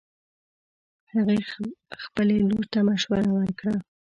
هغې خبلې لور ته مشوره ورکړه